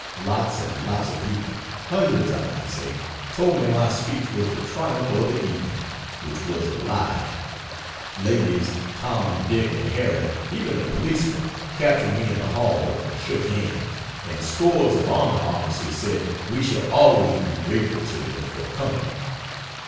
Lots and lots of people hundreds I might say told me my speech was the triumph of the evening which was a lie. Ladies, Tom, Dick and Harry even the policemen captured me in the halls and shook hands, and scores of army officers said "We shall always be grateful to you for coming."